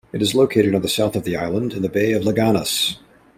It is located on the south of the island, in the Bay of Laganas.